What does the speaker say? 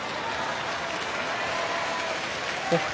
北勝